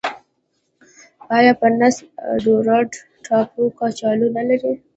آیا پرنس اډوارډ ټاپو کچالو نلري؟